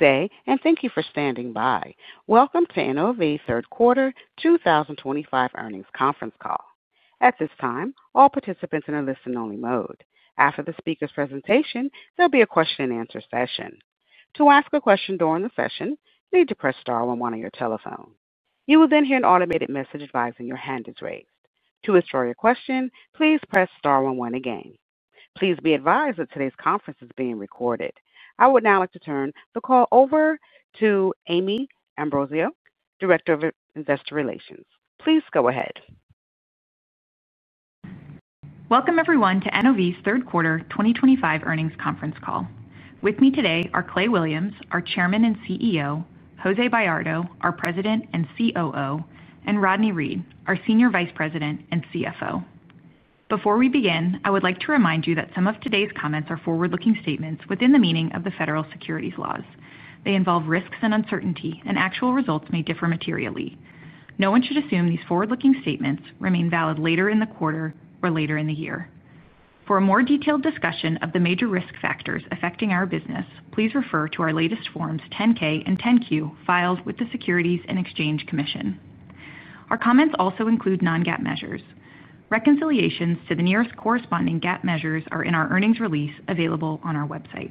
Today, and thank you for standing by. Welcome to NOV's third quarter 2025 earnings conference call. At this time, all participants are in a listen-only mode. After the speaker's presentation, there'll be a question-and-answer session. To ask a question during the session, you need to press star one one on your telephone. You will then hear an automated message advising your hand is raised. To withdraw your question, please press star one one again. Please be advised that today's conference is being recorded. I would now like to turn the call over to Amie D'Ambrosio, Director of Investor Relations. Please go ahead. Welcome everyone to NOV's third quarter 2025 earnings conference call. With me today are Clay Williams, our Chairman and CEO, Jose Bayardo, our President and COO, and Rodney Reed, our Senior Vice President and CFO. Before we begin, I would like to remind you that some of today's comments are forward-looking statements within the meaning of the Federal Securities Laws. They involve risks and uncertainty, and actual results may differ materially. No one should assume these forward-looking statements remain valid later in the quarter or later in the year. For a more detailed discussion of the major risk factors affecting our business, please refer to our latest Forms 10-K and 10-Q filed with the Securities and Exchange Commission. Our comments also include non-GAAP measures. Reconciliations to the nearest corresponding GAAP measures are in our earnings release available on our website.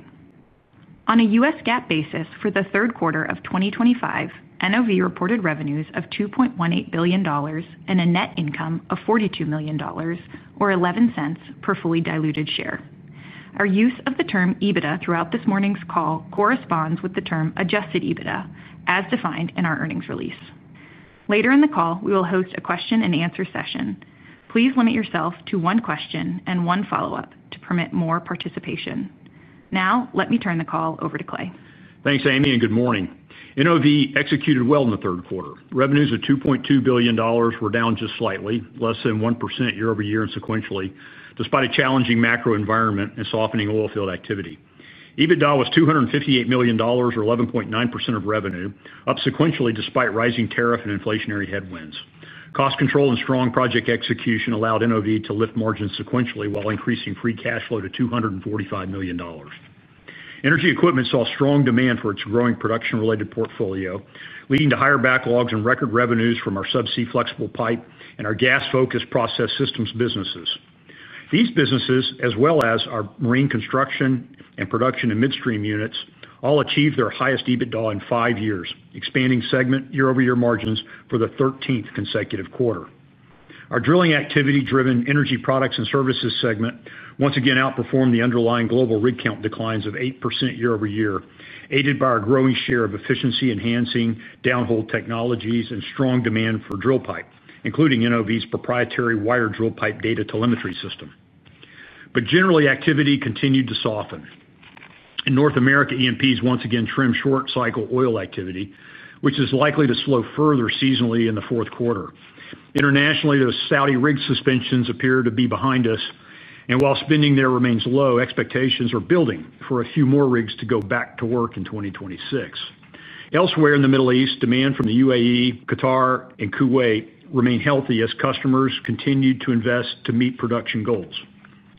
On a U.S. GAAP basis for the third quarter of 2025, NOV reported revenues of $2.18 billion and a net income of $42 million, or $0.11 per fully diluted share. Our use of the term EBITDA throughout this morning's call corresponds with the term Adjusted EBITDA, as defined in our earnings release. Later in the call, we will host a question-and-answer session. Please limit yourself to one question and one follow-up to permit more participation. Now, let me turn the call over to Clay. Thanks, Amie, and good morning. NOV executed well in the third quarter. Revenues of $2.2 billion were down just slightly, less than 1% year-over-year and sequentially, despite a challenging macro environment and softening oilfield activity. EBITDA was $258 million, or 11.9% of revenue, up sequentially despite rising tariff and inflationary headwinds. Cost control and strong project execution allowed NOV to lift margins sequentially while increasing free cash flow to $245 million. Energy equipment saw strong demand for its growing production-related portfolio, leading to higher backlogs and record revenues from our subsea flexible pipe and our gas-focused process systems businesses. These businesses, as well as our marine construction and production and midstream units, all achieved their highest EBITDA in five years, expanding segment year-over-year margins for the 13th consecutive quarter. Our drilling activity-driven energy products and services segment once again outperformed the underlying global rig count declines of 8% year-over-year, aided by our growing share of efficiency-enhancing downhole technologies and strong demand for drill pipe, including NOV’s proprietary wire drill pipe data telemetry system. Generally, activity continued to soften. In North America, EMPs once again trimmed short cycle oil activity, which is likely to slow further seasonally in the fourth quarter. Internationally, those Saudi rig suspensions appear to be behind us, and while spending there remains low, expectations are building for a few more rigs to go back to work in 2026. Elsewhere in the Middle East, demand from the UAE, Qatar, and Kuwait remained healthy as customers continued to invest to meet production goals.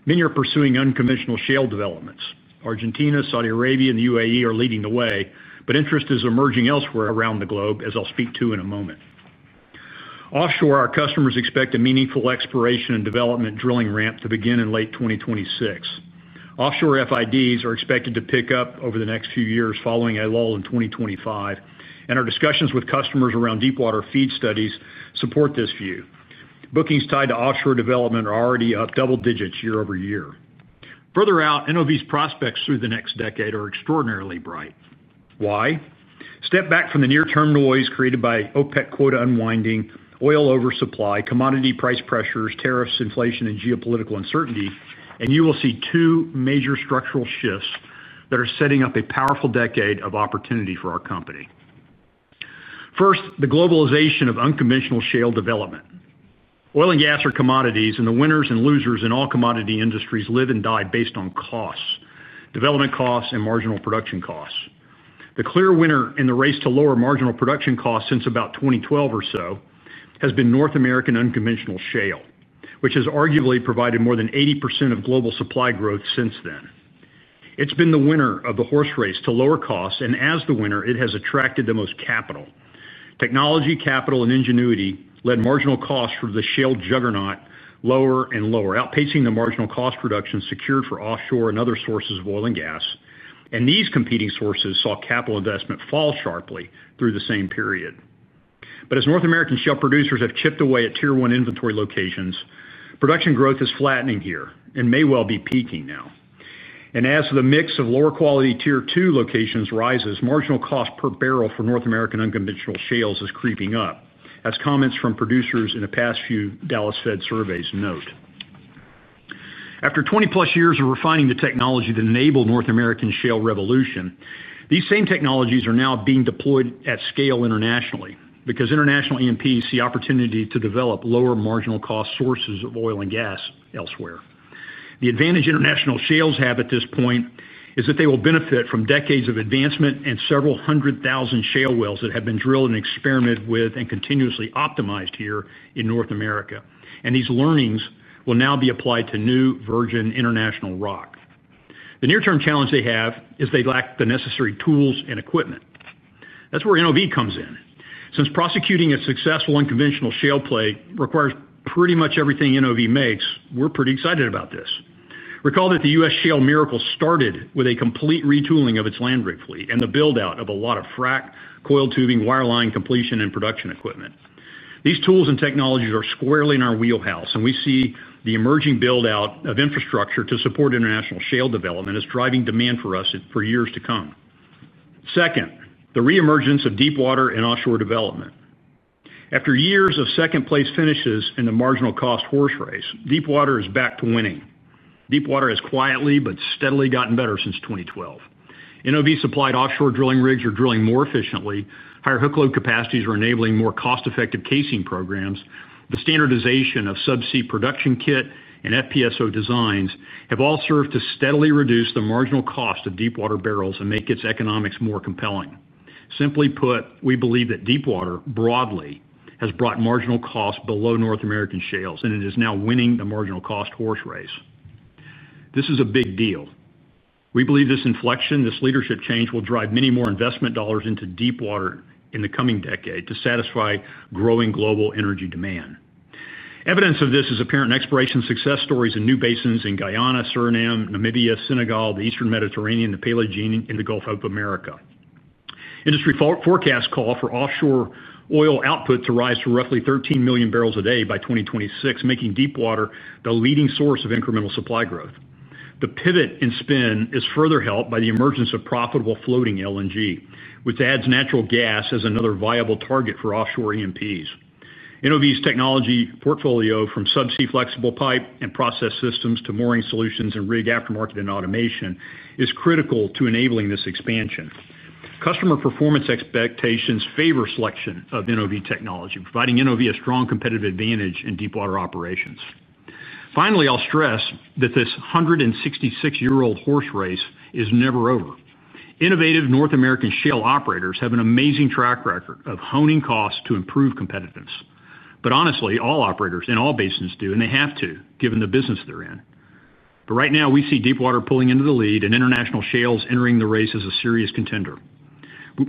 Many are pursuing unconventional shale developments. Argentina, Saudi Arabia, and the UAE are leading the way, but interest is emerging elsewhere around the globe, as I'll speak to in a moment. Offshore, our customers expect a meaningful exploration and development drilling ramp to begin in late 2026. Offshore FIDs are expected to pick up over the next few years following ELOL in 2025, and our discussions with customers around deepwater feed studies support this view. Bookings tied to offshore development are already up double digits year-over-year. Further out, NOV's prospects through the next decade are extraordinarily bright. Why? Step back from the near-term noise created by OPEC quota unwinding, oil oversupply, commodity price pressures, tariffs, inflation, and geopolitical uncertainty, and you will see two major structural shifts that are setting up a powerful decade of opportunity for our company. First, the globalization of unconventional shale development. Oil and gas are commodities, and the winners and losers in all commodity industries live and die based on costs, development costs, and marginal production costs. The clear winner in the race to lower marginal production costs since about 2012 or so has been North American unconventional shale, which has arguably provided more than 80% of global supply growth since then. It's been the winner of the horse race to lower costs, and as the winner, it has attracted the most capital. Technology, capital, and ingenuity led marginal costs for the shale juggernaut lower and lower, outpacing the marginal cost reductions secured for offshore and other sources of oil and gas, and these competing sources saw capital investment fall sharply through the same period. As North American shale producers have chipped away at Tier 1 inventory locations, production growth is flattening here and may well be peaking now. As the mix of lower quality Tier 2 locations rises, marginal costs per barrel for North American unconventional shales are creeping up, as comments from producers in the past few Dallas Fed surveys note. After 20+ years of refining the technology that enabled North American shale revolution, these same technologies are now being deployed at scale internationally because international EMPs see opportunity to develop lower marginal cost sources of oil and gas elsewhere. The advantage international shales have at this point is that they will benefit from decades of advancement and several hundred thousand shale wells that have been drilled and experimented with and continuously optimized here in North America, and these learnings will now be applied to new virgin international rock. The near-term challenge they have is they lack the necessary tools and equipment. That's where NOV comes in. Since prosecuting a successful unconventional shale play requires pretty much everything NOV makes, we're pretty excited about this. Recall that the U.S. shale miracle started with a complete retooling of its land rig fleet and the build-out of a lot of frack, coil tubing, wireline completion, and production equipment. These tools and technologies are squarely in our wheelhouse, and we see the emerging build-out of infrastructure to support international shale development as driving demand for us for years to come. Second, the re-emergence of deepwater and offshore development. After years of second-place finishes in the marginal cost horse race, deepwater is back to winning. Deepwater has quietly but steadily gotten better since 2012. NOV-supplied offshore drilling rigs are drilling more efficiently, higher hookload capacities are enabling more cost-effective casing programs, the standardization of subsea production kit and FPSO designs have all served to steadily reduce the marginal cost of deepwater barrels and make its economics more compelling. Simply put, we believe that deepwater broadly has brought marginal costs below North American shales, and it is now winning the marginal cost horse race. This is a big deal. We believe this inflection, this leadership change will drive many more investment dollars into deepwater in the coming decade to satisfy growing global energy demand. Evidence of this is apparent in exploration success stories in new basins in Guyana, Suriname, Namibia, Senegal, the Eastern Mediterranean, the Paleogene, and the Gulf of America. Industry forecasts call for offshore oil output to rise to roughly 13 million barrels a day by 2026, making deepwater the leading source of incremental supply growth. The pivot in spin is further helped by the emergence of profitable floating LNG, which adds natural gas as another viable target for offshore EMPs. NOV's technology portfolio from subsea flexible pipe and process systems to mooring solutions and rig aftermarket and automation is critical to enabling this expansion. Customer performance expectations favor selection of NOV technology, providing NOV a strong competitive advantage in deepwater operations. Finally, I'll stress that this 166-year-old horse race is never over. Innovative North American shale operators have an amazing track record of honing costs to improve competitiveness. Honestly, all operators in all basins do, and they have to, given the business they're in. Right now, we see deepwater pulling into the lead and international shales entering the race as a serious contender.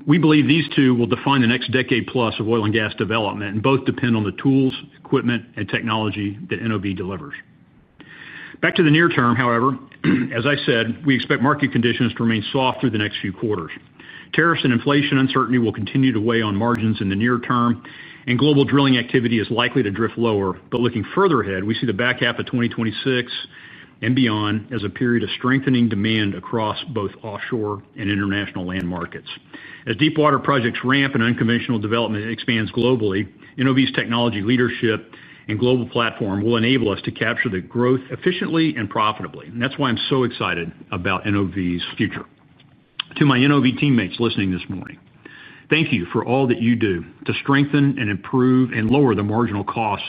We believe these two will define the next decade plus of oil and gas development, and both depend on the tools, equipment, and technology that NOV delivers. Back to the near term, however, as I said, we expect market conditions to remain soft through the next few quarters. Tariffs and inflation uncertainty will continue to weigh on margins in the near term, and global drilling activity is likely to drift lower. Looking further ahead, we see the back half of 2026 and beyond as a period of strengthening demand across both offshore and international land markets. As deepwater projects ramp and unconventional development expands globally, NOV's technology leadership and global platform will enable us to capture the growth efficiently and profitably. That is why I'm so excited about NOV's future. To my NOV teammates listening this morning, thank you for all that you do to strengthen and improve and lower the marginal costs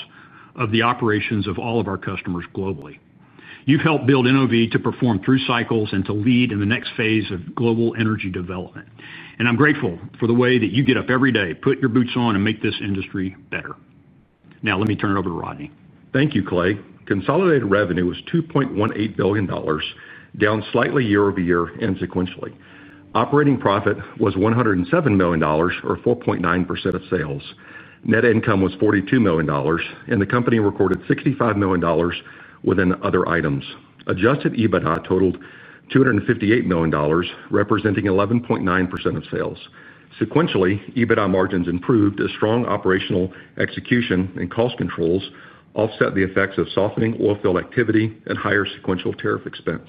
of the operations of all of our customers globally. You've helped build NOV to perform through cycles and to lead in the next phase of global energy development. I'm grateful for the way that you get up every day, put your boots on, and make this industry better. Now, let me turn it over to Rodney. Thank you, Clay. Consolidated revenue was $2.18 billion, down slightly year-over-year and sequentially. Operating profit was $107 million, or 4.9% of sales. Net income was $42 million, and the company recorded $65 million within other items. Adjusted EBITDA totaled $258 million, representing 11.9% of sales. Sequentially, EBITDA margins improved as strong operational execution and cost controls offset the effects of softening oilfield activity and higher sequential tariff expense.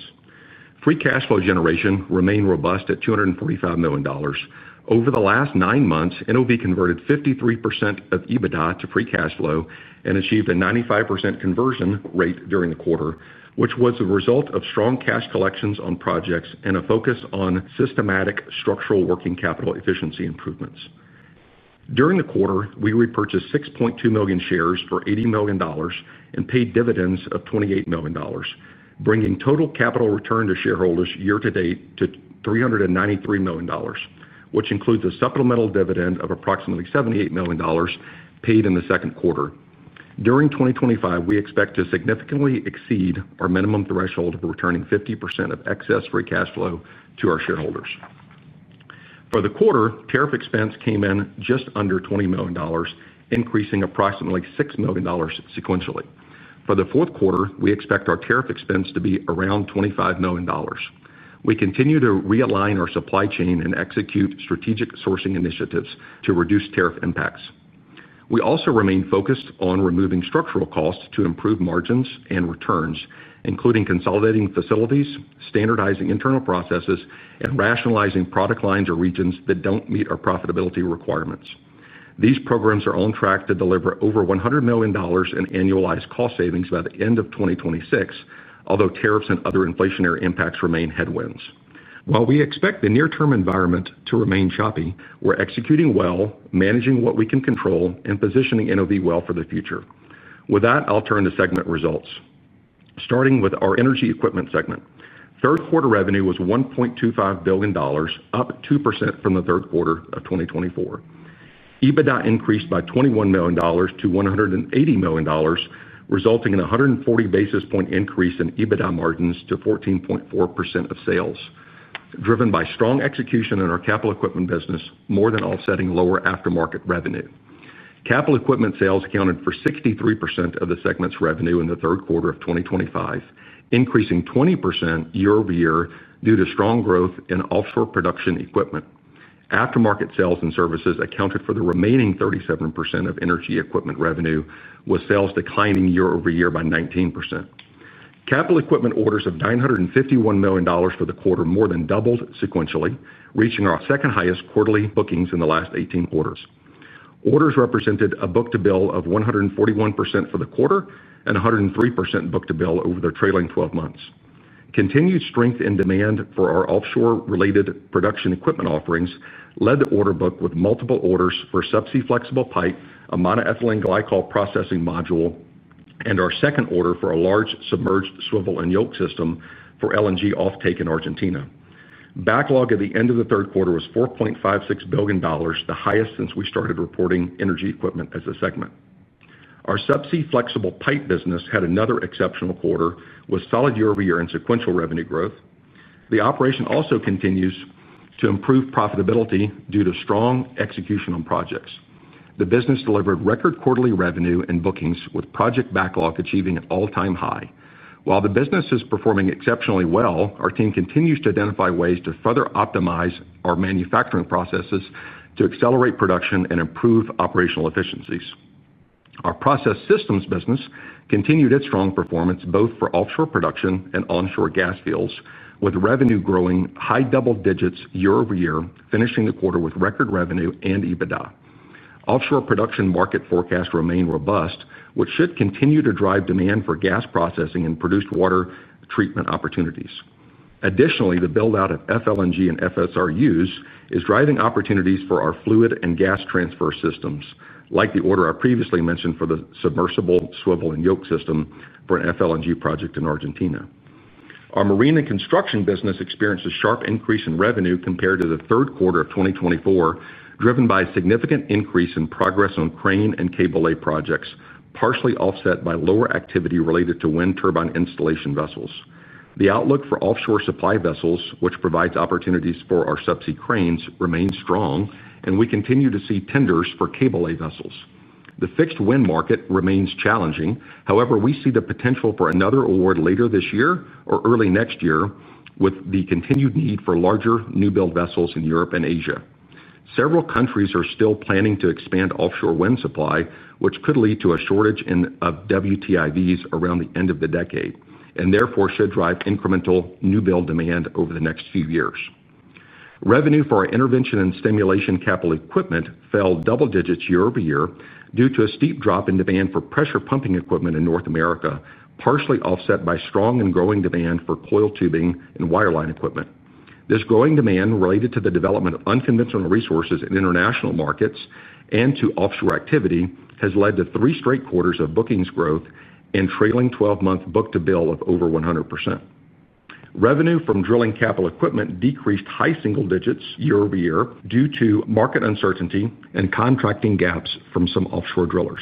Free cash flow generation remained robust at $245 million. Over the last nine months, NOV converted 53% of EBITDA to free cash flow and achieved a 95% conversion rate during the quarter, which was the result of strong cash collections on projects and a focus on systematic structural working capital efficiency improvements. During the quarter, we repurchased 6.2 million shares for $80 million and paid dividends of $28 million, bringing total capital return to shareholders year to date to $393 million, which includes a supplemental dividend of approximately $78 million paid in the second quarter. During 2025, we expect to significantly exceed our minimum threshold of returning 50% of excess free cash flow to our shareholders. For the quarter, tariff expense came in just under $20 million, increasing approximately $6 million sequentially. For the fourth quarter, we expect our tariff expense to be around $25 million. We continue to realign our supply chain and execute strategic sourcing initiatives to reduce tariff impacts. We also remain focused on removing structural costs to improve margins and returns, including consolidating facilities, standardizing internal processes, and rationalizing product lines or regions that don't meet our profitability requirements. These programs are on track to deliver over $100 million in annualized cost savings by the end of 2026, although tariffs and other inflationary impacts remain headwinds. While we expect the near-term environment to remain choppy, we're executing well, managing what we can control, and positioning NOV well for the future. With that, I'll turn to segment results. Starting with our energy equipment segment. Third quarter revenue was $1.25 billion, up 2% from the third quarter of 2024. EBITDA increased by $21 million to $180 million, resulting in a 140 basis point increase in EBITDA margins to 14.4% of sales, driven by strong execution in our capital equipment business, more than offsetting lower aftermarket revenue. Capital equipment sales accounted for 63% of the segment's revenue in the third quarter of 2025, increasing 20% year-over-year due to strong growth in offshore production equipment. Aftermarket sales and services accounted for the remaining 37% of energy equipment revenue, with sales declining year-over-year by 19%. Capital equipment orders of $951 million for the quarter more than doubled sequentially, reaching our second highest quarterly bookings in the last 18 quarters. Orders represented a book-to-bill of 141% for the quarter and 103% book-to-bill over the trailing 12 months. Continued strength in demand for our offshore-related production equipment offerings led to order book with multiple orders for subsea flexible pipe, a monoethylene glycol processing module, and our second order for a large submerged swivel and yoke system for LNG offtake in Argentina. Backlog at the end of the third quarter was $4.56 billion, the highest since we started reporting energy equipment as a segment. Our subsea flexible pipe business had another exceptional quarter with solid year-over-year and sequential revenue growth. The operation also continues to improve profitability due to strong execution on projects. The business delivered record quarterly revenue and bookings, with project backlog achieving an all-time high. While the business is performing exceptionally well, our team continues to identify ways to further optimize our manufacturing processes to accelerate production and improve operational efficiencies. Our process systems business continued its strong performance both for offshore production and onshore gas fields, with revenue growing high double digits year-over-year, finishing the quarter with record revenue and EBITDA. Offshore production market forecasts remain robust, which should continue to drive demand for gas processing and produced water treatment opportunities. Additionally, the build-out of FLNG and FSRUs is driving opportunities for our fluid and gas transfer systems, like the order I previously mentioned for the submersible swivel and yoke system for an FLNG project in Argentina. Our marine and construction business experienced a sharp increase in revenue compared to the third quarter of 2024, driven by a significant increase in progress on crane and cable-lay projects, partially offset by lower activity related to wind turbine installation vessels. The outlook for offshore supply vessels, which provides opportunities for our subsea cranes, remains strong, and we continue to see tenders for cable-lay vessels. The fixed wind market remains challenging, however, we see the potential for another award later this year or early next year, with the continued need for larger new build vessels in Europe and Asia. Several countries are still planning to expand offshore wind supply, which could lead to a shortage of WTIVs around the end of the decade and therefore should drive incremental new build demand over the next few years. Revenue for our intervention and stimulation capital equipment fell double digits year-over-year due to a steep drop in demand for pressure pumping equipment in North America, partially offset by strong and growing demand for coil tubing and wireline equipment. This growing demand related to the development of unconventional resources in international markets and to offshore activity has led to three straight quarters of bookings growth and trailing 12-month book-to-bill of over 100%. Revenue from drilling capital equipment decreased high single digits year-over-year due to market uncertainty and contracting gaps from some offshore drillers.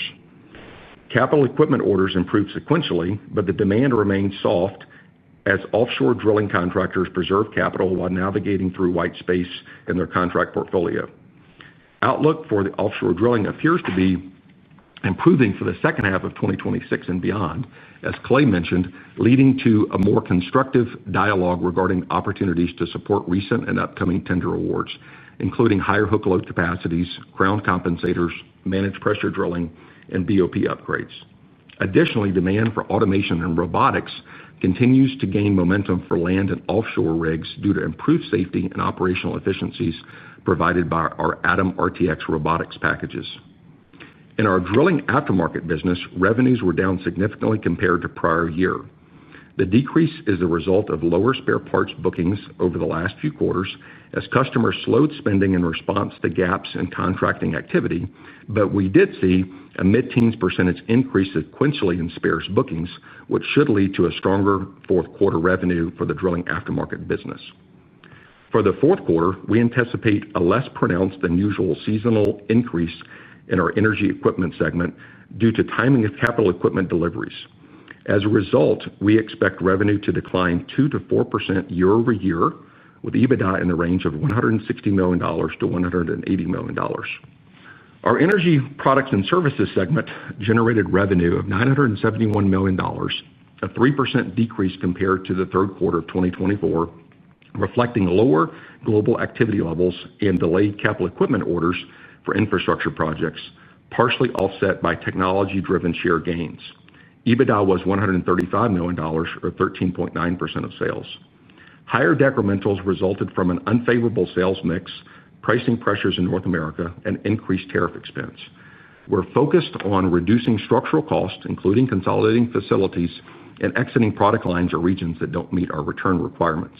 Capital equipment orders improved sequentially, but the demand remained soft as offshore drilling contractors preserve capital while navigating through white space in their contract portfolio. Outlook for the offshore drilling appears to be improving for the second half of 2026 and beyond, as Clay Williams mentioned, leading to a more constructive dialogue regarding opportunities to support recent and upcoming tender awards, including higher hookload capacities, crown compensators, managed pressure drilling, and BOP upgrades. Additionally, demand for automation and robotics continues to gain momentum for land and offshore rigs due to improved safety and operational efficiencies provided by our ATOM RTX robotics packages. In our drilling aftermarket business, revenues were down significantly compared to prior year. The decrease is the result of lower spare parts bookings over the last few quarters as customers slowed spending in response to gaps in contracting activity, but we did see a mid-teens percentage increase sequentially in spares bookings, which should lead to a stronger fourth quarter revenue for the drilling aftermarket business. For the fourth quarter, we anticipate a less pronounced than usual seasonal increase in our energy equipment segment due to timing of capital equipment deliveries. As a result, we expect revenue to decline 2%-4% year-over-year, with EBITDA in the range of $160 million-$180 million. Our energy products and services segment generated revenue of $971 million, a 3% decrease compared to the third quarter of 2024, reflecting lower global activity levels and delayed capital equipment orders for infrastructure projects, partially offset by technology-driven share gains. EBITDA was $135 million, or 13.9% of sales. Higher decrementals resulted from an unfavorable sales mix, pricing pressures in North America, and increased tariff expense. We're focused on reducing structural costs, including consolidating facilities and exiting product lines or regions that don't meet our return requirements.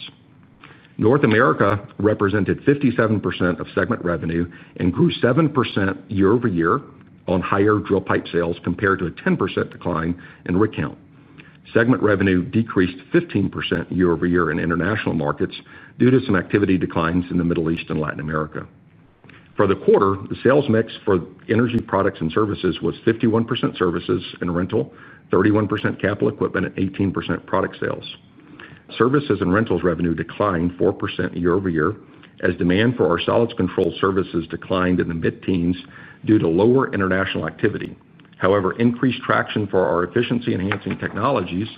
North America represented 57% of segment revenue and grew 7% year-over-year on higher drill pipe sales compared to a 10% decline in rig count. Segment revenue decreased 15% year-over-year in international markets due to some activity declines in the Middle East and Latin America. For the quarter, the sales mix for energy products and services was 51% services and rental, 31% capital equipment, and 18% product sales. Services and rentals revenue declined 4% year-over-year as demand for our solids control services declined in the mid-teens due to lower international activity. However, increased traction for our efficiency-enhancing technologies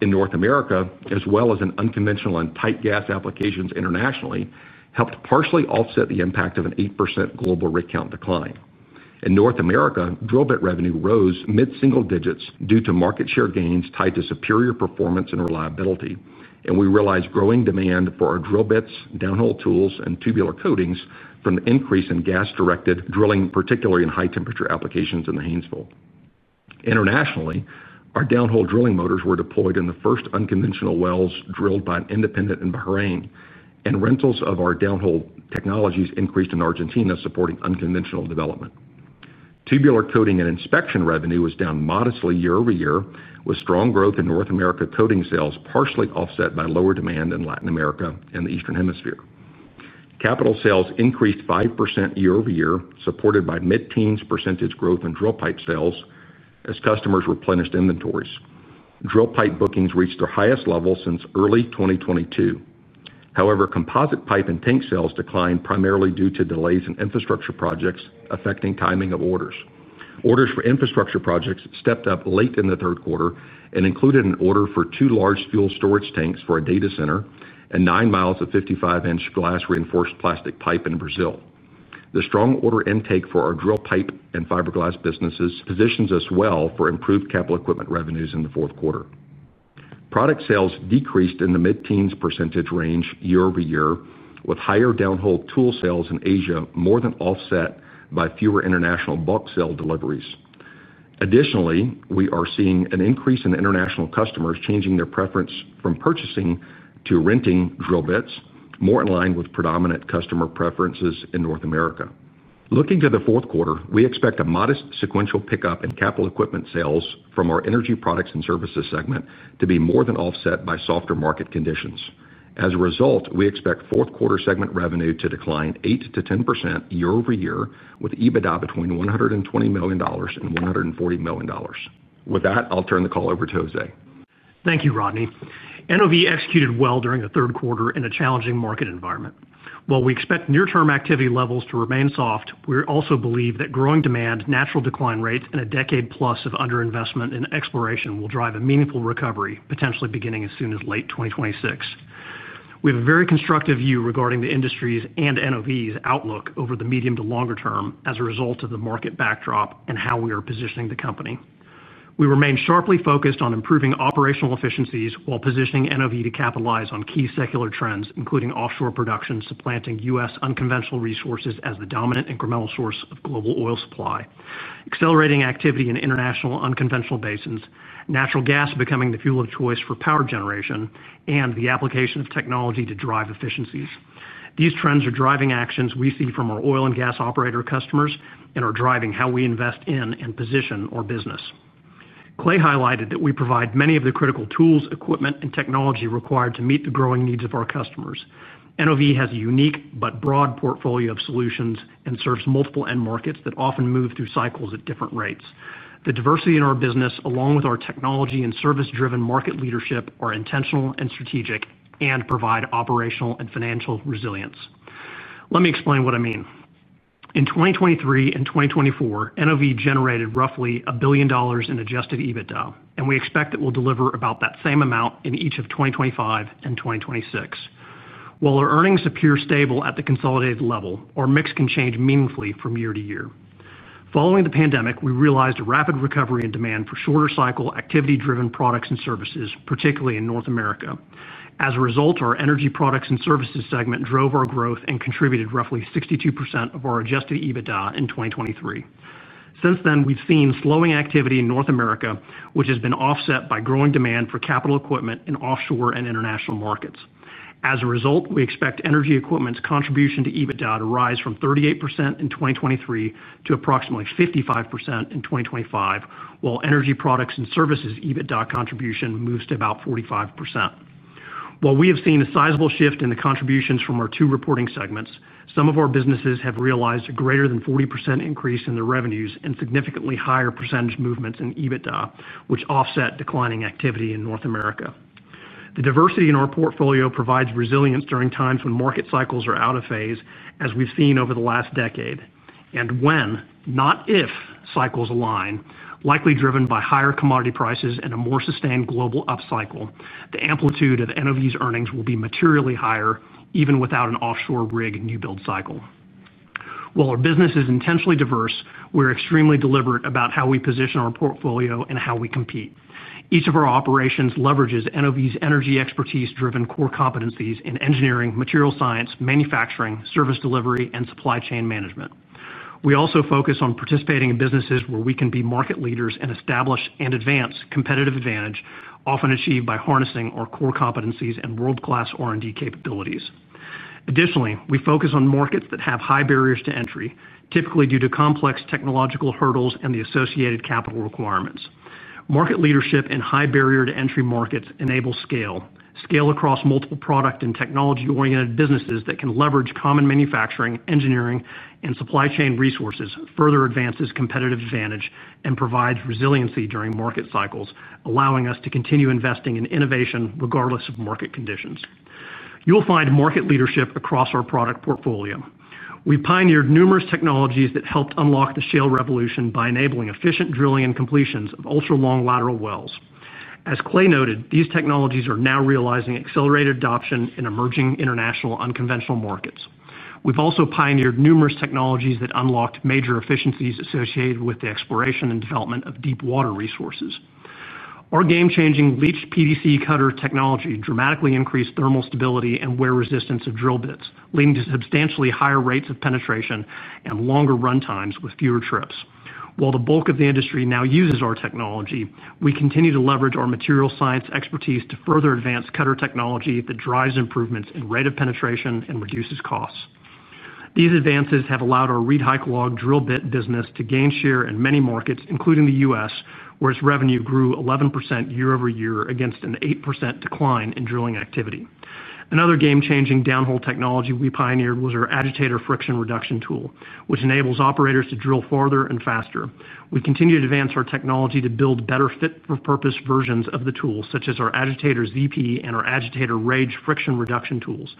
in North America, as well as in unconventional and tight gas applications internationally, helped partially offset the impact of an 8% global rig count decline. In North America, drill bit revenue rose mid-single digits due to market share gains tied to superior performance and reliability, and we realized growing demand for our drill bits, downhole tools, and tubular coatings from the increase in gas-directed drilling, particularly in high-temperature applications in the Haynesville. Internationally, our downhole drilling motors were deployed in the first unconventional wells drilled by an independent in Bahrain, and rentals of our downhole technologies increased in Argentina, supporting unconventional development. Tubular coating and inspection revenue was down modestly year-over-year, with strong growth in North America coating sales, partially offset by lower demand in Latin America and the Eastern Hemisphere. Capital sales increased 5% year-over-year, supported by mid-teens percentage growth in drill pipe sales as customers replenished inventories. Drill pipe bookings reached their highest level since early 2022. However, composite pipe and tank sales declined primarily due to delays in infrastructure projects affecting timing of orders. Orders for infrastructure projects stepped up late in the third quarter and included an order for two large fuel storage tanks for a data center and 9 mi of 55-inch glass reinforced plastic pipe in Brazil. The strong order intake for our drill pipe and fiberglass businesses positions us well for improved capital equipment revenues in the fourth quarter. Product sales decreased in the mid-teens percentage range year-over-year, with higher downhole tool sales in Asia more than offset by fewer international bulk sale deliveries. Additionally, we are seeing an increase in international customers changing their preference from purchasing to renting drill bits, more in line with predominant customer preferences in North America. Looking to the fourth quarter, we expect a modest sequential pickup in capital equipment sales from our energy products and services segment to be more than offset by softer market conditions. As a result, we expect fourth quarter segment revenue to decline 8%-10% year-over-year, with EBITDA between $120 million and $140 million. With that, I'll turn the call over to Jose. Thank you, Rodney. NOV executed well during the third quarter in a challenging market environment. While we expect near-term activity levels to remain soft, we also believe that growing demand, natural decline rates, and a decade plus of underinvestment in exploration will drive a meaningful recovery, potentially beginning as soon as late 2026. We have a very constructive view regarding the industry's and NOV's outlook over the medium to longer term as a result of the market backdrop and how we are positioning the company. We remain sharply focused on improving operational efficiencies while positioning NOV to capitalize on key secular trends, including offshore production supplanting U.S. unconventional resources as the dominant incremental source of global oil supply, accelerating activity in international unconventional basins, natural gas becoming the fuel of choice for power generation, and the application of technology to drive efficiencies. These trends are driving actions we see from our oil and gas operator customers and are driving how we invest in and position our business. Clay highlighted that we provide many of the critical tools, equipment, and technology required to meet the growing needs of our customers. NOV has a unique but broad portfolio of solutions and serves multiple end markets that often move through cycles at different rates. The diversity in our business, along with our technology and service-driven market leadership, are intentional and strategic and provide operational and financial resilience. Let me explain what I mean. In 2023 and 2024, NOV generated roughly $1 billion in Adjusted EBITDA, and we expect it will deliver about that same amount in each of 2025 and 2026. While our earnings appear stable at the consolidated level, our mix can change meaningfully from year to year. Following the pandemic, we realized a rapid recovery in demand for shorter cycle activity-driven products and services, particularly in North America. As a result, our energy products and services segment drove our growth and contributed roughly 62% of our Adjusted EBITDA in 2023. Since then, we've seen slowing activity in North America, which has been offset by growing demand for capital equipment in offshore and international markets. As a result, we expect energy equipment's contribution to EBITDA to rise from 38% in 2023 to approximately 55% in 2025, while energy products and services' EBITDA contribution moves to about 45%. While we have seen a sizable shift in the contributions from our two reporting segments, some of our businesses have realized a greater than 40% increase in their revenues and significantly higher percentage movements in EBITDA, which offset declining activity in North America. The diversity in our portfolio provides resilience during times when market cycles are out of phase, as we've seen over the last decade. When, not if, cycles align, likely driven by higher commodity prices and a more sustained global upcycle, the amplitude of NOV's earnings will be materially higher, even without an offshore rig new build cycle. While our business is intentionally diverse, we're extremely deliberate about how we position our portfolio and how we compete. Each of our operations leverages NOV's energy expertise-driven core competencies in engineering, material science, manufacturing, service delivery, and supply chain management. We also focus on participating in businesses where we can be market leaders and establish and advance competitive advantage, often achieved by harnessing our core competencies and world-class R&D capabilities. Additionally, we focus on markets that have high barriers to entry, typically due to complex technological hurdles and the associated capital requirements. Market leadership in high barrier to entry markets enables scale. Scale across multiple product and technology-oriented businesses that can leverage common manufacturing, engineering, and supply chain resources further advances competitive advantage and provides resiliency during market cycles, allowing us to continue investing in innovation regardless of market conditions. You'll find market leadership across our product portfolio. We pioneered numerous technologies that helped unlock the shale revolution by enabling efficient drilling and completions of ultra-long lateral wells. As Clay noted, these technologies are now realizing accelerated adoption in emerging international unconventional markets. We've also pioneered numerous technologies that unlocked major efficiencies associated with the exploration and development of deepwater resources. Our game-changing leached PDC cutter technology dramatically increased thermal stability and wear resistance of drill bits, leading to substantially higher rates of penetration and longer runtimes with fewer trips. While the bulk of the industry now uses our technology, we continue to leverage our material science expertise to further advance cutter technology that drives improvements in rate of penetration and reduces costs. These advances have allowed our ReedHycalog drill bit business to gain share in many markets, including the U.S., where its revenue grew 11% year-over-year against an 8% decline in drilling activity. Another game-changing downhole technology we pioneered was our Agitator friction reduction tool, which enables operators to drill farther and faster. We continue to advance our technology to build better fit-for-purpose versions of the tool, such as our Agitator ZP and our Agitator Rage friction reduction tools.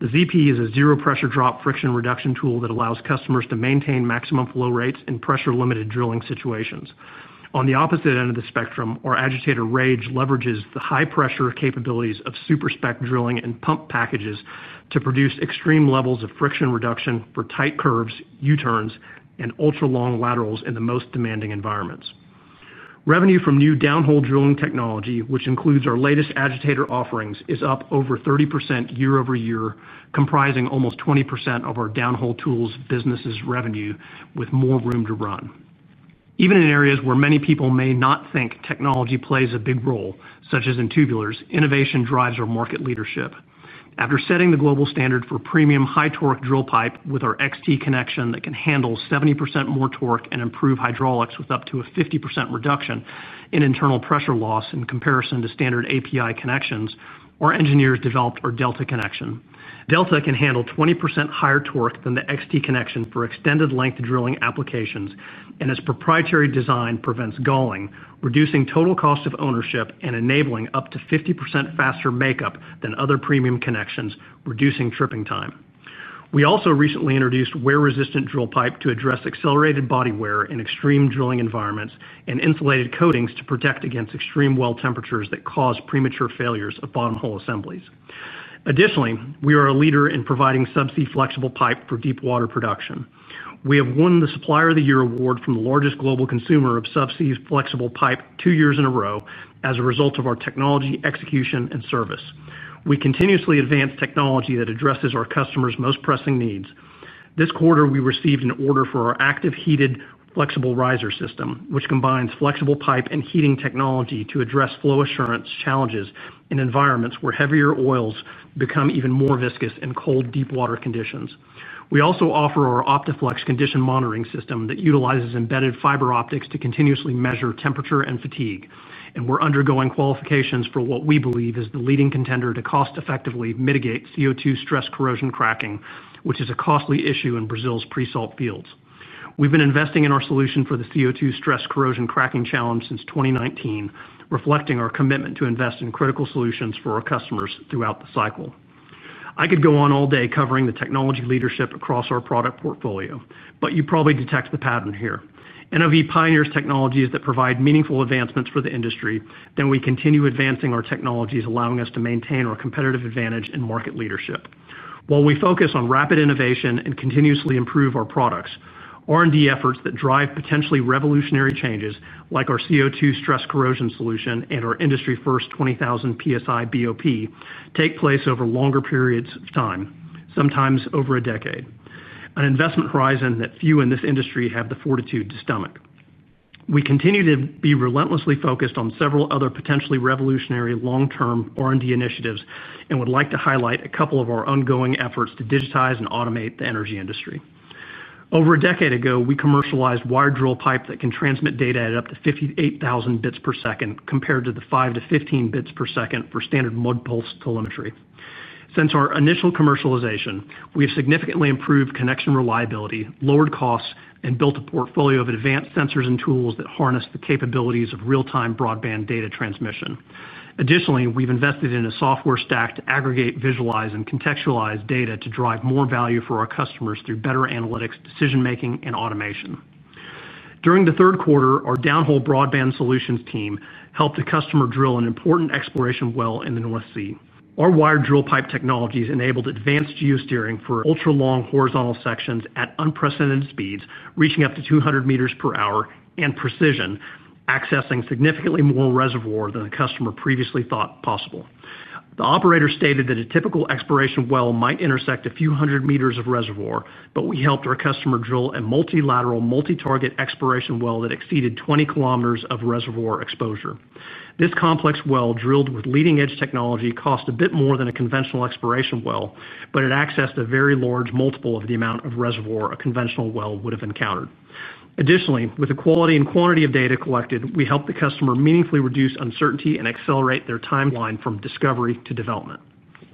The ZP is a zero-pressure drop friction reduction tool that allows customers to maintain maximum flow rates in pressure-limited drilling situations. On the opposite end of the spectrum, our Agitator Rage leverages the high-pressure capabilities of super spec drilling and pump packages to produce extreme levels of friction reduction for tight curves, U-turns, and ultra-long laterals in the most demanding environments. Revenue from new downhole drilling technology, which includes our latest Agitator offerings, is up over 30% year-over-year, comprising almost 20% of our downhole tools business's revenue, with more room to run. Even in areas where many people may not think technology plays a big role, such as in tubulars, innovation drives our market leadership. After setting the global standard for premium high-torque drill pipe with our XT connection that can handle 70% more torque and improve hydraulics with up to a 50% reduction in internal pressure loss in comparison to standard API connections, our engineers developed our Delta connection. Delta can handle 20% higher torque than the XT connection for extended length drilling applications, and its proprietary design prevents galling, reducing total cost of ownership and enabling up to 50% faster makeup than other premium connections, reducing tripping time. We also recently introduced wear-resistant drill pipe to address accelerated body wear in extreme drilling environments and insulated coatings to protect against extreme well temperatures that cause premature failures of bottom hole assemblies. Additionally, we are a leader in providing subsea flexible pipe for deepwater production. We have won the Supplier of the Year award from the largest global consumer of subsea flexible pipe two years in a row as a result of our technology, execution, and service. We continuously advance technology that addresses our customers' most pressing needs. This quarter, we received an order for our active heated flexible riser system, which combines flexible pipe and heating technology to address flow assurance challenges in environments where heavier oils become even more viscous in cold deep water conditions. We also offer our OptiFlex condition monitoring system that utilizes embedded fiber optics to continuously measure temperature and fatigue, and we're undergoing qualifications for what we believe is the leading contender to cost-effectively mitigate CO2 stress corrosion cracking, which is a costly issue in Brazil's pre-salt fields. We've been investing in our solution for the CO2 stress corrosion cracking challenge since 2019, reflecting our commitment to invest in critical solutions for our customers throughout the cycle. I could go on all day covering the technology leadership across our product portfolio, but you probably detect the pattern here. NOV pioneers technologies that provide meaningful advancements for the industry, then we continue advancing our technologies, allowing us to maintain our competitive advantage and market leadership. While we focus on rapid innovation and continuously improve our products, R&D efforts that drive potentially revolutionary changes, like our CO2 stress corrosion solution and our industry-first 20,000 psi BOP, take place over longer periods of time, sometimes over a decade, an investment horizon that few in this industry have the fortitude to stomach. We continue to be relentlessly focused on several other potentially revolutionary long-term R&D initiatives and would like to highlight a couple of our ongoing efforts to digitize and automate the energy industry. Over a decade ago, we commercialized wire drill pipe that can transmit data at up to 58,000 bps compared to the 5 bps-15 bps for standard MUD pulse telemetry. Since our initial commercialization, we have significantly improved connection reliability, lowered costs, and built a portfolio of advanced sensors and tools that harness the capabilities of real-time broadband data transmission. Additionally, we've invested in a software stack to aggregate, visualize, and contextualize data to drive more value for our customers through better analytics, decision-making, and automation. During the third quarter, our downhole broadband solutions team helped a customer drill an important exploration well in the North Sea. Our wire drill pipe technologies enabled advanced geosteering for ultra-long horizontal sections at unprecedented speeds, reaching up to 200 m/h and precision, accessing significantly more reservoir than the customer previously thought possible. The operator stated that a typical exploration well might intersect a few hundred meters of reservoir, but we helped our customer drill a multilateral, multi-target exploration well that exceeded 20 km of reservoir exposure. This complex well drilled with leading-edge technology cost a bit more than a conventional exploration well, but it accessed a very large multiple of the amount of reservoir a conventional well would have encountered. Additionally, with the quality and quantity of data collected, we helped the customer meaningfully reduce uncertainty and accelerate their timeline from discovery to development.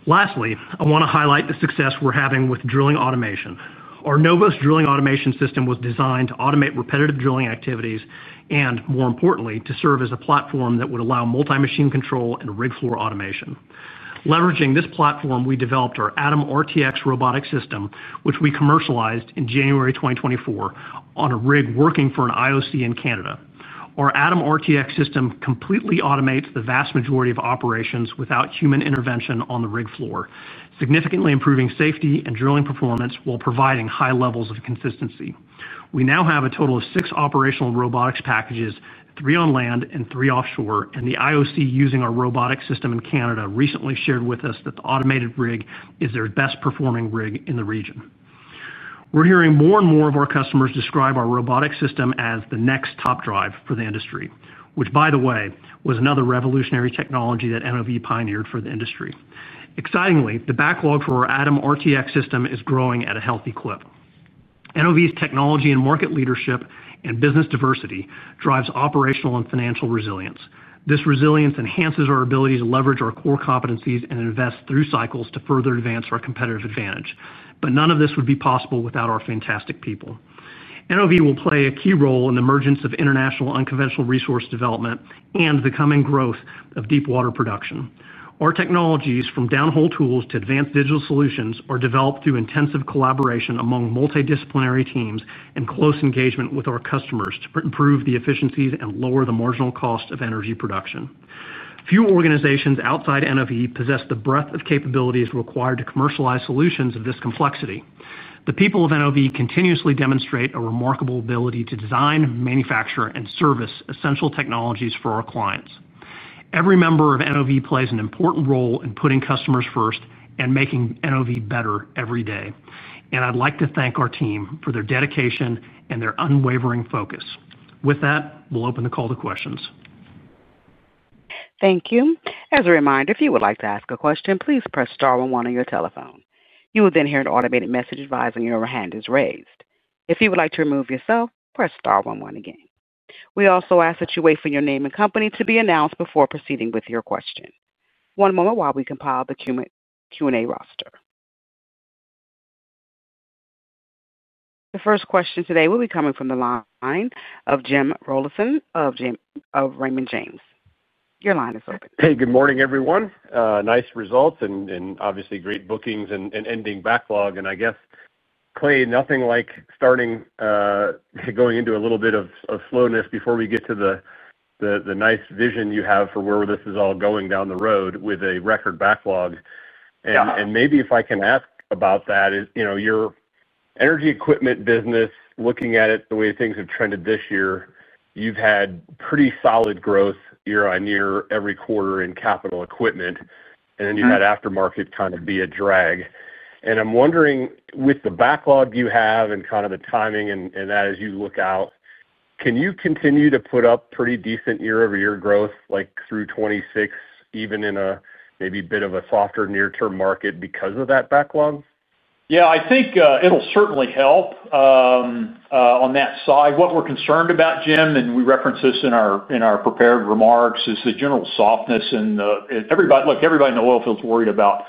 Lastly, I want to highlight the success we're having with drilling automation. Our NOVOS drilling automation system was designed to automate repetitive drilling activities and, more importantly, to serve as a platform that would allow multi-machine control and rig floor automation. Leveraging this platform, we developed our ATOM RTX robotic system, which we commercialized in January 2024 on a rig working for an IOC in Canada. Our ATOM RTX system completely automates the vast majority of operations without human intervention on the rig floor, significantly improving safety and drilling performance while providing high levels of consistency. We now have a total of six operational robotics packages, three on land and three offshore, and the IOC using our robotic system in Canada recently shared with us that the automated rig is their best-performing rig in the region. We're hearing more and more of our customers describe our robotic system as the next top drive for the industry, which, by the way, was another revolutionary technology that NOV pioneered for the industry. Excitingly, the backlog for our ATOM RTX system is growing at a healthy clip. NOV's technology and market leadership and business diversity drive operational and financial resilience. This resilience enhances our ability to leverage our core competencies and invest through cycles to further advance our competitive advantage. None of this would be possible without our fantastic people. NOV will play a key role in the emergence of international unconventional resource development and the coming growth of deepwater production. Our technologies, from downhole tools to advanced digital solutions, are developed through intensive collaboration among multidisciplinary teams and close engagement with our customers to improve the efficiencies and lower the marginal cost of energy production. Few organizations outside NOV possess the breadth of capabilities required to commercialize solutions of this complexity. The people of NOV continuously demonstrate a remarkable ability to design, manufacture, and service essential technologies for our clients. Every member of NOV plays an important role in putting customers first and making NOV better every day. I would like to thank our team for their dedication and their unwavering focus. With that, we'll open the call to questions. Thank you. As a reminder, if you would like to ask a question, please press star one on your telephone. You will then hear an automated message advising your hand is raised. If you would like to remove yourself, press star one again. We also ask that you wait for your name and company to be announced before proceeding with your question. One moment while we compile the Q&A roster. The first question today will be coming from the line of Jim Rollyson of Raymond James. Your line is open. Hey, good morning, everyone. Nice results and obviously great bookings and ending backlog. Clay, nothing like going into a little bit of slowness before we get to the nice vision you have for where this is all going down the road with a record backlog. Maybe if I can ask about that, your energy equipment business, looking at it the way things have trended this year, you've had pretty solid growth year on year every quarter in capital equipment, and then you've had aftermarket kind of be a drag. I'm wondering, with the backlog you have and the timing and that as you look out, can you continue to put up pretty decent year-over-year growth like through 2026, even in a maybe bit of a softer near-term market because of that backlog? Yeah, I think it'll certainly help on that side. What we're concerned about, Jim, and we referenced this in our prepared remarks, is the general softness. Everybody in the oil field is worried about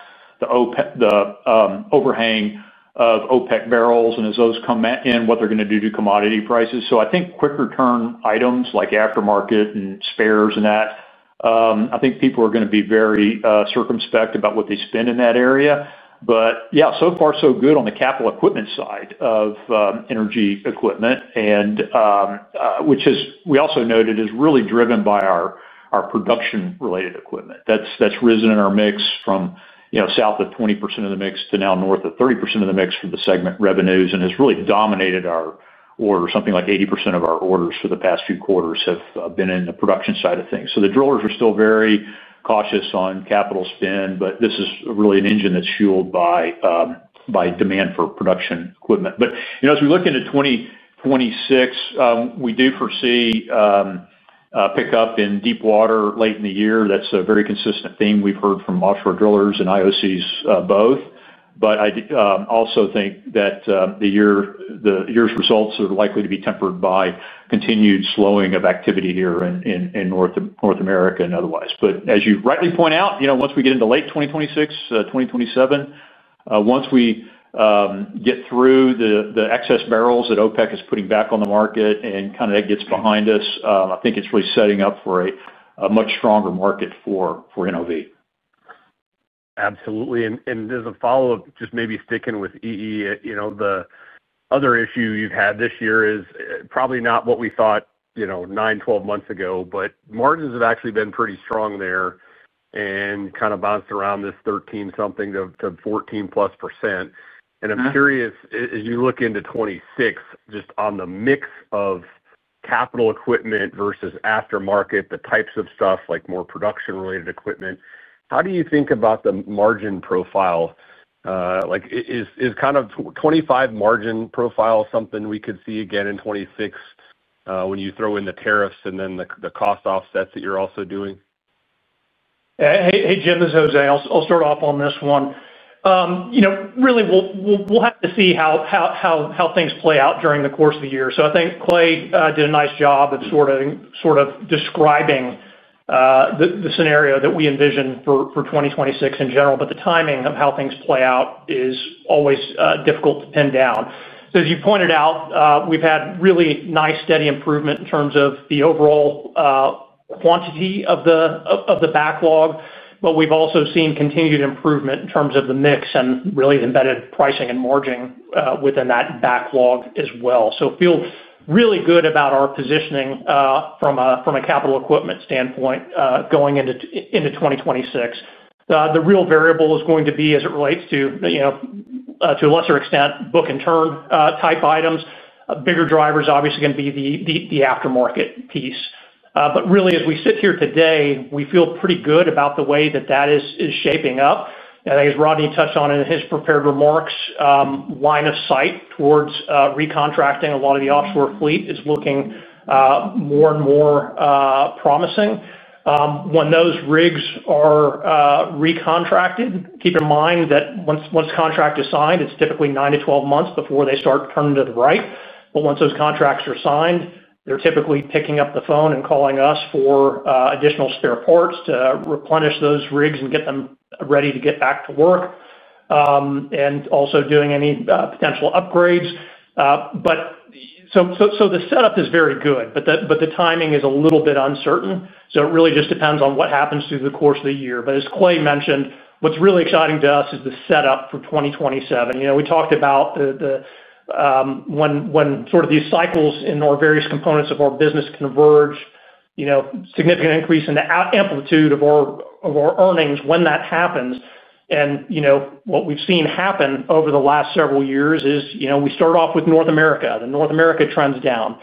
the overhang of OPEC barrels and as those come in, what they're going to do to commodity prices. I think quick return items like aftermarket and spares and that, I think people are going to be very circumspect about what they spend in that area. Yeah, so far, so good on the capital equipment side of energy equipment, which is, we also noted, really driven by our production-related equipment. That's risen in our mix from south of 20% of the mix to now north of 30% of the mix for the segment revenues and has really dominated our order. Something like 80% of our orders for the past few quarters have been in the production side of things. The drillers are still very cautious on capital spend, but this is really an engine that's fueled by demand for production equipment. As we look into 2026, we do foresee pickup in deepwater late in the year. That's a very consistent theme we've heard from offshore drillers and IOCs, both. I also think that the year's results are likely to be tempered by continued slowing of activity here in North America and otherwise. As you rightly point out, once we get into late 2026, 2027, once we get through the excess barrels that OPEC is putting back on the market and that gets behind us, I think it's really setting up for a much stronger market for NOV. Absolutely. As a follow-up, just maybe sticking with EE, the other issue you've had this year is probably not what we thought 9, 12 months ago, but margins have actually been pretty strong there and kind of bounced around this 13-something to 14%+. I'm curious, as you look into 2026, just on the mix of capital equipment versus aftermarket, the types of stuff like more production-related equipment, how do you think about the margin profile? Is kind of 2025 margin profile something we could see again in 2026, when you throw in the tariffs and then the cost offsets that you're also doing? Hey, Jim, this is Jose. I'll start off on this one. You know, really, we'll have to see how things play out during the course of the year. I think Clay did a nice job of describing the scenario that we envision for 2026 in general, but the timing of how things play out is always difficult to pin down. As you pointed out, we've had really nice steady improvement in terms of the overall quantity of the backlog, but we've also seen continued improvement in terms of the mix and really the embedded pricing and margin within that backlog as well. I feel really good about our positioning from a capital equipment standpoint going into 2026. The real variable is going to be, as it relates to, to a lesser extent, book and turn type items. Bigger drivers obviously are going to be the aftermarket piece. Really, as we sit here today, we feel pretty good about the way that is shaping up. I think as Rodney touched on in his prepared remarks, line of sight towards re-contracting a lot of the offshore fleet is looking more and more promising. When those rigs are re-contracted, keep in mind that once contract is signed, it's typically 9 months-12 months before they start turning to the right. Once those contracts are signed, they're typically picking up the phone and calling us for additional spare parts to replenish those rigs and get them ready to get back to work, and also doing any potential upgrades. The setup is very good, but the timing is a little bit uncertain. It really just depends on what happens through the course of the year. As Clay mentioned, what's really exciting to us is the setup for 2027. We talked about when these cycles in our various components of our business converge, significant increase in the amplitude of our earnings when that happens. What we've seen happen over the last several years is we start off with North America. The North America trends down.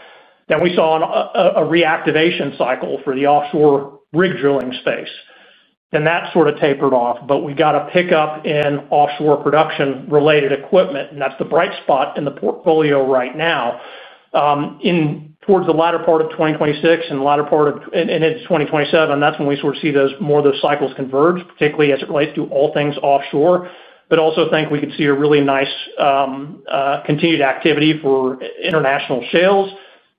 Then we saw a reactivation cycle for the offshore rig drilling space. That sort of tapered off, but we got a pickup in offshore production-related equipment, and that's the bright spot in the portfolio right now. Towards the latter part of 2026 and the latter part of and into 2027, that's when we sort of see more of those cycles converge, particularly as it relates to all things offshore. I also think we could see a really nice, continued activity for international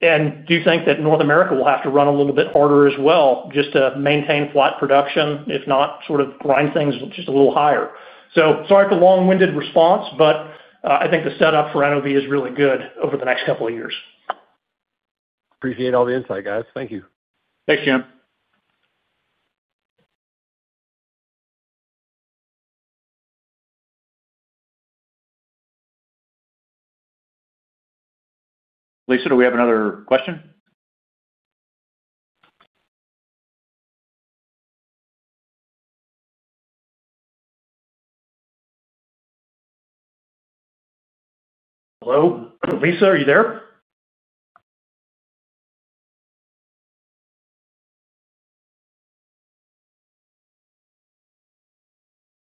sales. Do you think that North America will have to run a little bit harder as well just to maintain flat production, if not sort of grind things just a little higher? Sorry for the long-winded response, but I think the setup for NOV is really good over the next couple of years. Appreciate all the insight, guys. Thank you. Thanks, Jim. Lisa, do we have another question? Hello, Lisa, are you there?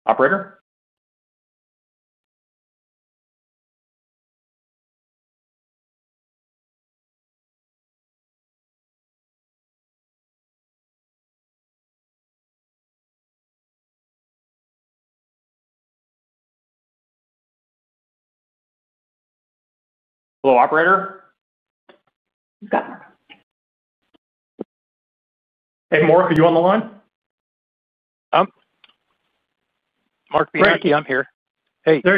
Operator? Hello, operator? Hey, Mark, are you on the line? There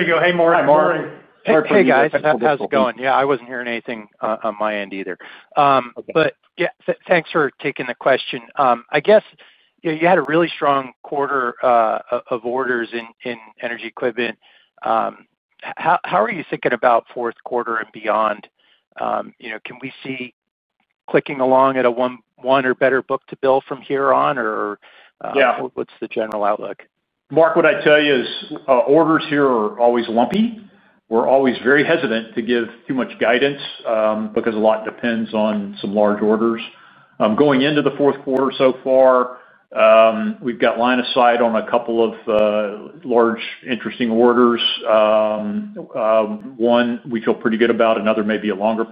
you go. Hey, Mark. Hey, Mark. Hey, guys. How's it going? I wasn't hearing anything on my end either, but yeah, thanks for taking the question. I guess, you know, you had a really strong quarter of orders in energy equipment. How are you thinking about fourth quarter and beyond? You know, can we see clicking along at a one-one or better book to bill from here on, or what's the general outlook? Mark, what I tell you is, orders here are always lumpy. We're always very hesitant to give too much guidance, because a lot depends on some large orders. Going into the fourth quarter so far, we've got line of sight on a couple of large, interesting orders. One we feel pretty good about, another maybe a longer.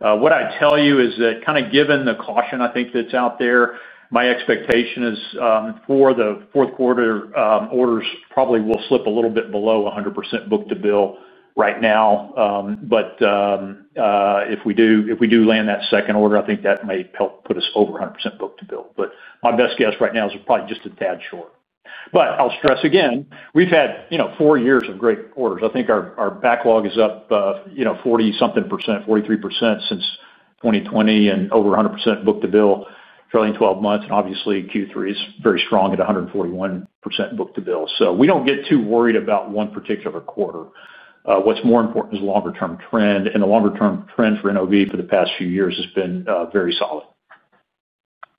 What I tell you is that, given the caution I think that's out there, my expectation is, for the fourth quarter, orders probably will slip a little bit below 100% book to bill right now. If we do land that second order, I think that may help put us over 100% book to bill. My best guess right now is probably just a tad short. I'll stress again, we've had four years of great orders. I think our backlog is up 40-something percent, 43% since 2020, and over 100% book to bill, trailing 12 months. Obviously, Q3 is very strong at 141% book to bill. We don't get too worried about one particular quarter. What's more important is a longer-term trend. The longer-term trend for NOV for the past few years has been very solid.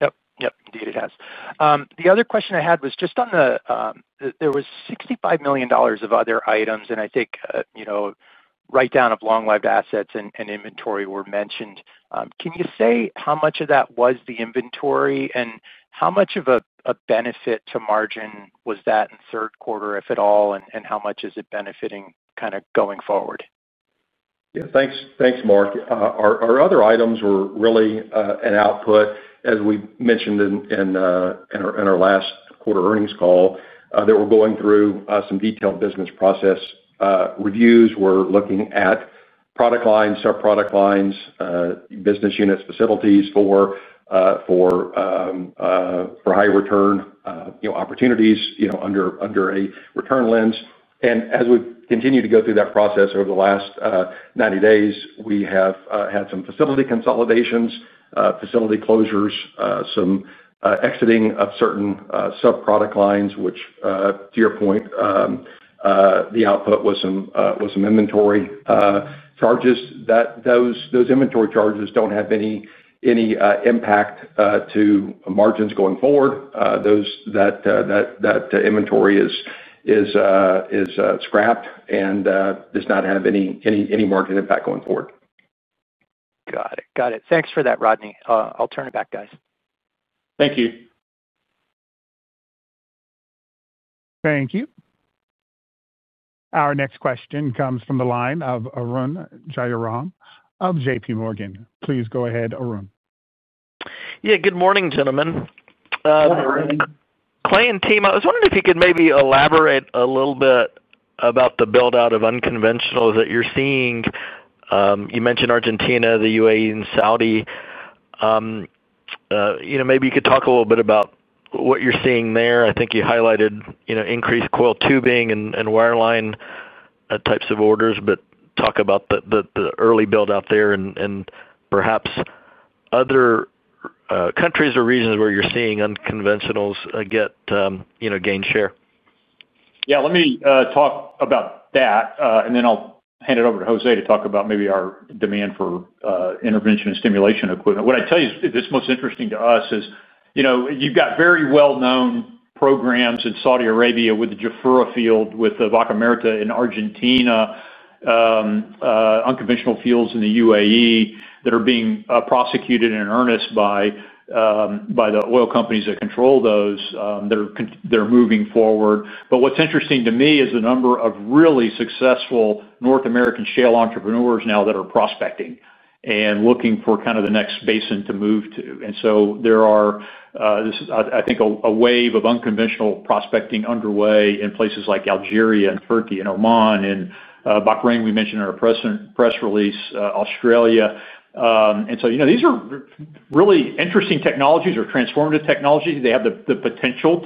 Yep. Yep. Indeed, it has. The other question I had was just on the, there was $65 million of other items, and I think, you know, write-down of long-lived assets and inventory were mentioned. Can you say how much of that was the inventory and how much of a benefit to margin was that in third quarter, if at all, and how much is it benefiting kind of going forward? Yeah, thanks, Mark. Our other items were really an output, as we mentioned in our last quarter earnings call, that we're going through some detailed business process reviews. We're looking at product lines, subproduct lines, business units, facilities for high return opportunities under a return lens. As we've continued to go through that process over the last 90 days, we have had some facility consolidations, facility closures, some exiting of certain subproduct lines, which, to your point, the output was some inventory charges. Those inventory charges don't have any impact to margins going forward. That inventory is scrapped and does not have any margin impact going forward. Got it. Got it. Thanks for that, Rodney. I'll turn it back, guys. Thank you. Thank you. Our next question comes from the line of Arun Jayaram of JPMorgan. Please go ahead, Arun. Yeah, good morning, gentlemen. Morning, Arun. Clay and team, I was wondering if you could maybe elaborate a little bit about the build-out of unconventionals that you're seeing. You mentioned Argentina, the UAE, and Saudi. Maybe you could talk a little bit about what you're seeing there. I think you highlighted increased coil tubing and wireline types of orders, but talk about the early build-out there and perhaps other countries or regions where you're seeing unconventionals get gain share. Yeah, let me talk about that, and then I'll hand it over to Jose to talk about maybe our demand for intervention and stimulation equipment. What I tell you is this is most interesting to us is, you know, you've got very well-known programs in Saudi Arabia with the Jafurah field, with the Vaca Muerta in Argentina, unconventional fields in the UAE that are being prosecuted in earnest by the oil companies that control those that are moving forward. What's interesting to me is the number of really successful North American shale entrepreneurs now that are prospecting and looking for kind of the next basin to move to. There are, I think, a wave of unconventional prospecting underway in places like Algeria and Turkey and Oman and Bahrain, we mentioned in our press release, Australia. These are really interesting technologies or transformative technologies. They have the potential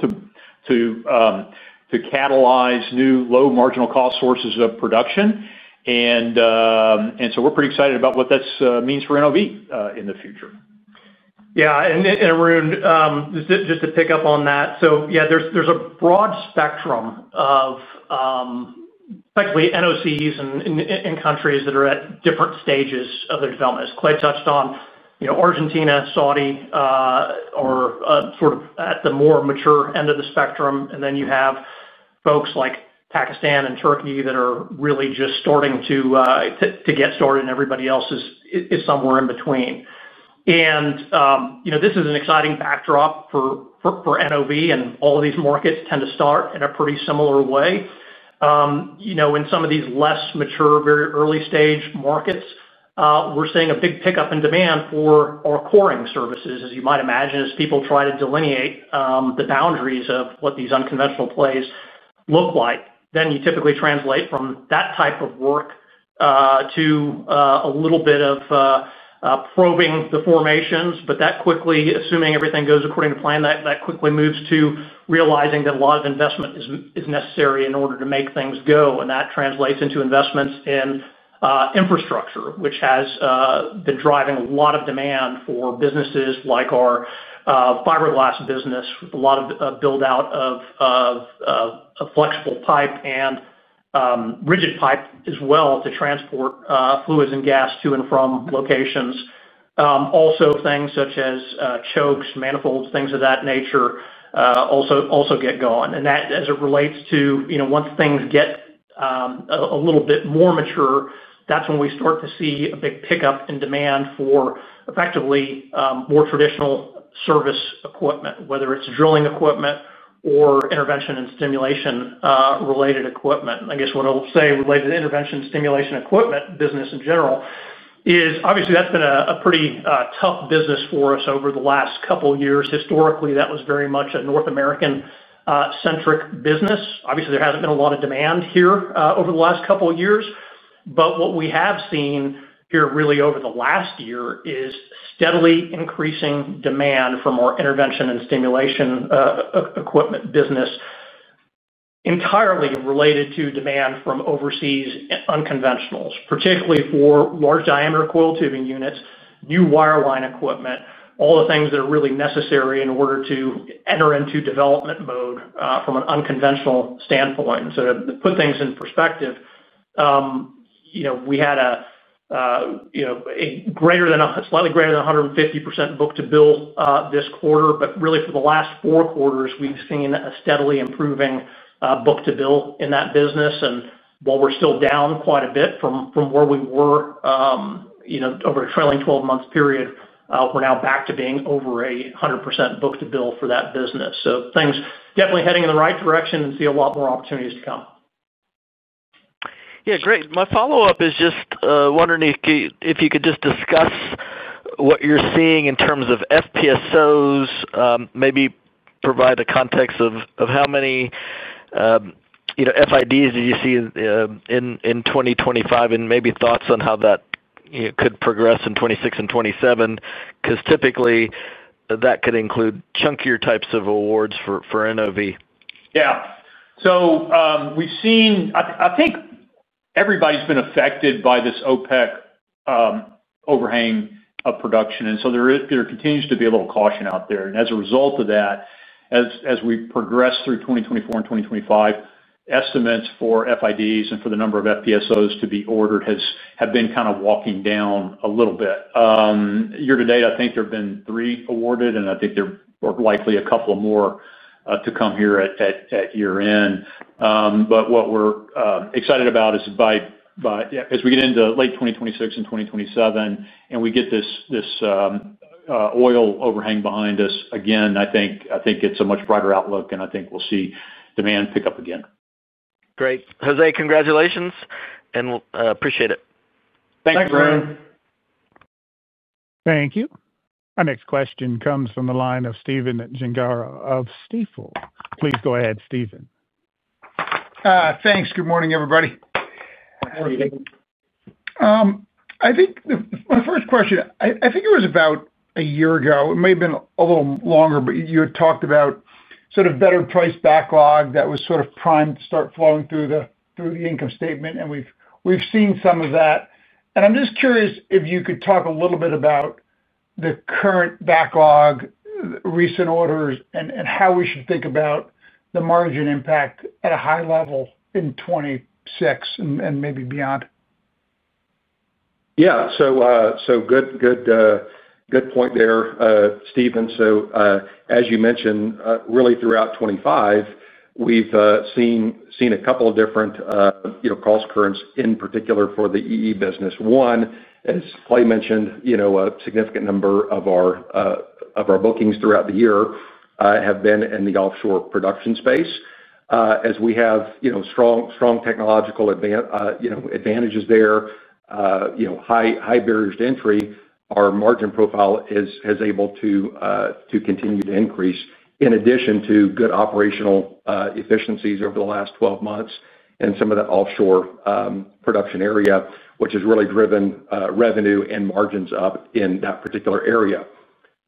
to catalyze new low marginal cost sources of production. We're pretty excited about what that means for NOV in the future. Yeah, and Arun, just to pick up on that. There's a broad spectrum of effectively NOCs in countries that are at different stages of their development. As Clay touched on, Argentina and Saudi are sort of at the more mature end of the spectrum. Then you have folks like Pakistan and Turkey that are really just starting to get started, and everybody else is somewhere in between. This is an exciting backdrop for NOV, and all of these markets tend to start in a pretty similar way. In some of these less mature, very early-stage markets, we're seeing a big pickup in demand for our coring services, as you might imagine, as people try to delineate the boundaries of what these unconventional plays look like. Then you typically translate from that type of work to a little bit of probing the formations. That quickly, assuming everything goes according to plan, moves to realizing that a lot of investment is necessary in order to make things go. That translates into investments in infrastructure, which has been driving a lot of demand for businesses like our fiberglass business, a lot of build-out of flexible pipe and rigid pipe as well to transport fluids and gas to and from locations. Also, things such as chokes, manifolds, things of that nature also get going. As it relates to once things get a little bit more mature, that's when we start to see a big pickup in demand for effectively more traditional service equipment, whether it's drilling equipment or intervention and stimulation related equipment. I guess what I'll say related to intervention and stimulation equipment business in general is, obviously, that's been a pretty tough business for us over the last couple of years. Historically, that was very much a North American-centric business. Obviously, there hasn't been a lot of demand here over the last couple of years. What we have seen here really over the last year is steadily increasing demand from our intervention and stimulation equipment business, entirely related to demand from overseas unconventionals, particularly for large diameter coil tubing units, new wireline equipment, all the things that are really necessary in order to enter into development mode from an unconventional standpoint. To put things in perspective, we had a slightly greater than 150% book to bill this quarter. For the last four quarters, we've seen a steadily improving book to bill in that business. While we're still down quite a bit from where we were over a trailing 12-month period, we're now back to being over a 100% book to bill for that business. Things are definitely heading in the right direction and see a lot more opportunities to come. Yeah, great. My follow-up is just wondering if you could just discuss what you're seeing in terms of FPSOs, maybe provide the context of how many, you know, FIDs do you see in 2025 and maybe thoughts on how that, you know, could progress in 2026 and 2027 because typically, that could include chunkier types of awards for NOV. Yeah. We've seen, I think everybody's been affected by this OPEC overhang of production. There continues to be a little caution out there. As a result of that, as we progress through 2024 and 2025, estimates for FIDs and for the number of FPSOs to be ordered have been kind of walking down a little bit. Year to date, I think there have been three awarded, and I think there are likely a couple more to come here at year-end. What we're excited about is, as we get into late 2026 and 2027, and we get this oil overhang behind us again, I think it's a much brighter outlook, and I think we'll see demand pick up again. Great. Jose, congratulations and appreciate it. Thank you, Arun. Thank you. Our next question comes from the line of Stephen Gengaro of Stifel. Please go ahead, Stephen. Thanks. Good morning, everybody. I think my first question, I think it was about a year ago. It may have been a little longer, but you had talked about sort of better price backlog that was sort of primed to start flowing through the income statement, and we've seen some of that. I'm just curious if you could talk a little bit about the current backlog, the recent orders, and how we should think about the margin impact at a high level in 2026 and maybe beyond. Yeah. Good point there, Stephen. As you mentioned, really throughout 2025, we've seen a couple of different cost currents in particular for the energy equipment business. One, as Clay mentioned, a significant number of our bookings throughout the year have been in the offshore production space, as we have strong technological advantages there, high barriers to entry. Our margin profile has been able to continue to increase in addition to good operational efficiencies over the last 12 months in some of that offshore production area, which has really driven revenue and margins up in that particular area.